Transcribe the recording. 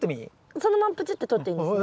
そのままプチッてとっていいんですね？